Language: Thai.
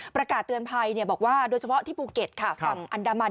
ประกาศเตือนภัยบอกว่าโดยเฉพาะที่ภูเก็ตค่ะฝั่งอันดามัน